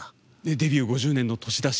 デビュー５０年の年だし。